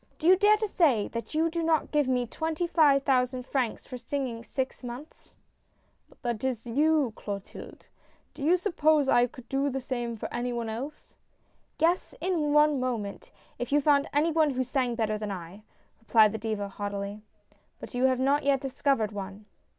" Do you dare to say that you do not give me twenty five thousand francs for singing six months ?"" But that is to you, Clotilde ! Do you suppose I could do the same for any one else ?" "Yes, in one moment, if you found any one who sang better than I," replied the Diva, haughtily. " But 3^ou have not yet discovered one."